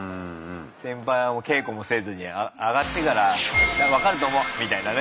先輩は稽古もせずに上がってから分かると思うみたいなね。